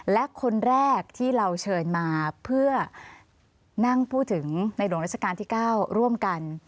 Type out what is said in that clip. และคนแรกที่เราเชิญมาเพื่อนั่งพูดถึงในหลวงราชการที่๙ร่วมกัน